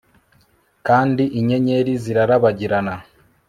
kandi inyenyeri zirarabagirana